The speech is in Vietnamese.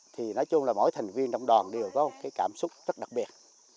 thì nói chung là mỗi thành viên trong đoàn đều có một cái cảm xúc rất đặc biệt